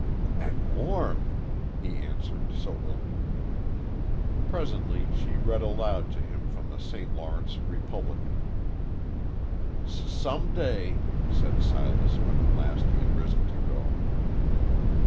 "An' w warm," he answered, soberly. Presently she read aloud to him from the St. Lawrence Republican. "S some day," said Silas, when at last he had risen to go.